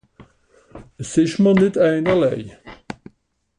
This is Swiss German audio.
Es ìsch mìr nìtt einerlei.